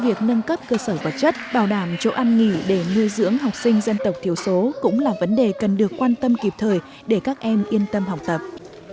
việc nâng cấp cơ sở vật chất bảo đảm chỗ ăn nghỉ để nuôi dưỡng học sinh dân tộc thiểu số cũng là vấn đề cần được quan tâm kịp thời để các em yên tâm học tập